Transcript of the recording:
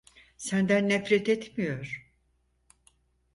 Senden nefret etmiyor.